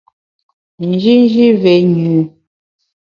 Njinji mvé nyü.